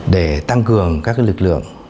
để tăng cường các lực lượng